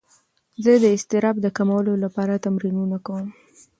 زه د اضطراب د کمولو لپاره تمرینونه کوم.